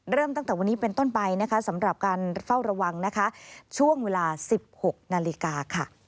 เริ่มตั้งแต่วันนี้เป็นต้นใบสำหรับการเฝ้าระวังช่วงเวลา๑๖นาฬิกา